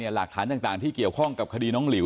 หลักฐานต่างที่เกี่ยวข้องกับคดีน้องหลิว